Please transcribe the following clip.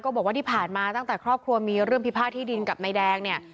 บอกว่าที่ผ่านมาตั้งแต่ครอบครัวมีเรื่องพิพาทที่ดินกับนายแดงเนี่ย